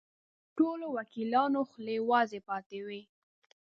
ټولو وکیلانو خولې وازې پاتې وې.